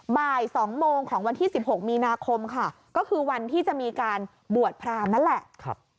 บ่าย๒โมงของวันที่๑๖มีนาคมค่ะก็คือวันที่จะมีการบวชพรามนั่นแหละ